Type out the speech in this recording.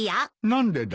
何でだ？